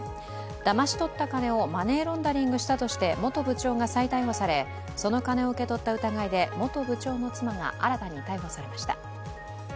だまし取った金をマネーロンダリングしたとして元部長が再逮捕されその金を受け取った疑いで元部長の妻が新たに逮捕されました。